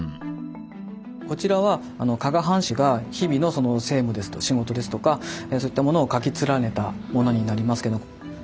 こちらは加賀藩士が日々の政務ですとか仕事ですとかそういったもの書き連ねたものになりますけど。